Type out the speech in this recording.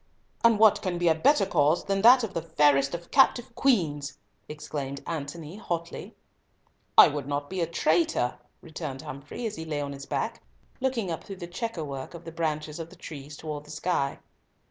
"And what can be a better cause than that of the fairest of captive queens?" exclaimed Antony, hotly. "I would not be a traitor," returned Humfrey, as he lay on his back, looking up through the chequerwork of the branches of the trees towards the sky.